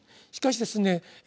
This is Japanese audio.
しかしですね